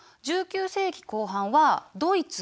１９世紀後半はドイツ